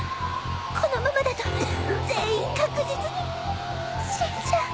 このままだと全員確実に死んじゃう。